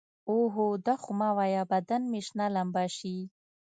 اوهو دا خو مه وايه بدن مې شنه لمبه شي.